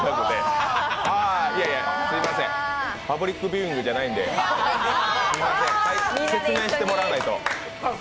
すんません、パブリックビューイングじゃないんで、説明してもらわないと。